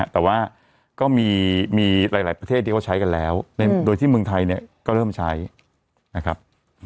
แต่ว่าก็มีหลายประเทศที่เขาใช้กันแล้วโดยที่เมืองไทยเนี่ยก็เริ่มใช้นะครับ